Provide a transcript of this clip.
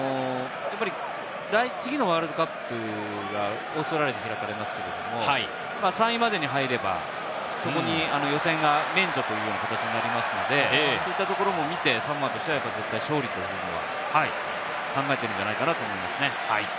次のワールドカップ、オーストラリアで開かれますけれども、３位までに入れば、予選が免除という形になりますので、そういったところも見て、サモアとしては勝利というのを考えているんじゃないかなと思いますね。